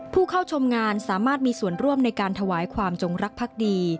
ผู้เข้าชมงานสามารถมีส่วนร่วมในการถวายความจงรักภักดี